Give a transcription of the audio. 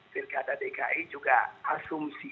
pirkada dki juga asumsi